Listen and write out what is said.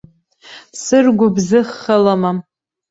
Сыргәыбзыӷха лымам.